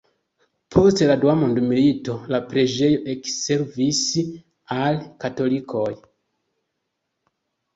Post la dua mondmilito la preĝejo ekservis al katolikoj.